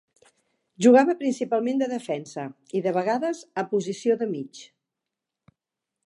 Jugava principalment de defensa, i de vegades a posició de mig.